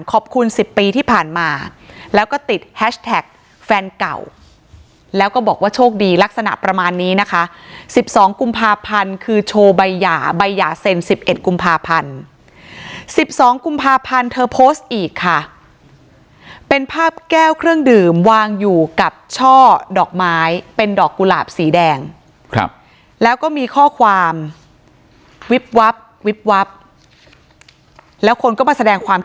ขอบคุณสิบปีที่ผ่านมาแล้วก็ติดแฮชแท็กแฟนเก่าแล้วก็บอกว่าโชคดีลักษณะประมาณนี้นะคะสิบสองกุมภาพันธ์คือโชว์ใบหย่าใบหย่าเซ็นสิบเอ็ดกุมภาพันธ์สิบสองกุมภาพันธ์เธอโพสต์อีกค่ะเป็นภาพแก้วเครื่องดื่มวางอยู่กับช่อดอกไม้เป็นดอกกุหลาบสีแดงครับแล้วก็มีข้อความว